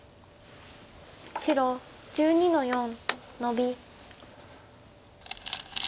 白１２の四ノビ。